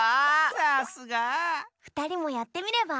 さすが！ふたりもやってみれば？